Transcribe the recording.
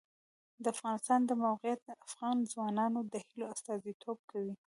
د افغانستان د موقعیت د افغان ځوانانو د هیلو استازیتوب کوي.